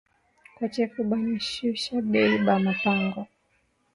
Kwa chefu bana shusha bei ya ma mpango